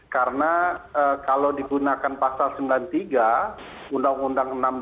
karena kalau digunakan pasal sembilan puluh tiga undang undang enam tahun dua ribu delapan belas